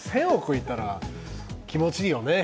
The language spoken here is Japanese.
いったら気持ちいいよね。